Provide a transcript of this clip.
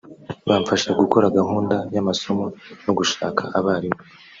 bamfasha gukora gahunda y’amasomo no gushaka abarimu